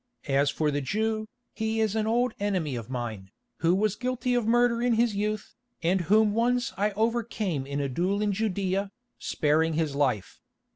As for the Jew, he is an old enemy of mine, who was guilty of murder in his youth, and whom once I overcame in a duel in Judæa, sparing his life.